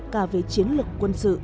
cả về chiến lược quân sự